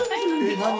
何？